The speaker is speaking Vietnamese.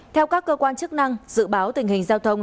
theo các cơ quan chức năng dự báo tình hình giao thông